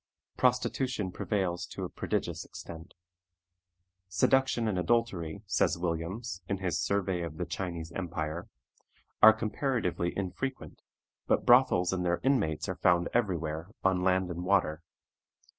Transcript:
Prostitution prevails to a prodigious extent. "Seduction and adultery," says Williams, in his Survey of the Chinese Empire, "are comparatively infrequent, but brothels and their inmates are found every where, on land and water.